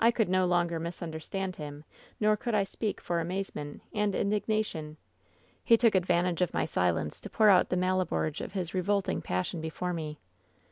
"I could no longer misunderstand him; nor could I speak for amazement and indignation. He took advan tage of my silence to pour out the malabprge of his revolting passion before me.